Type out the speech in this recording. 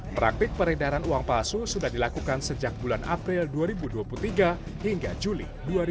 praktik peredaran uang palsu sudah dilakukan sejak bulan april dua ribu dua puluh tiga hingga juli dua ribu dua puluh